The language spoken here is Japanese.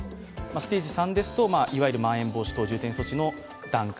ステージ３ですとまん延防止等重点措置の段階。